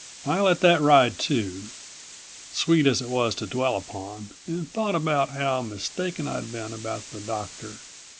I let that ride too, sweet as it was to dwell upon, and thought about how mistaken I'd been about the doctor.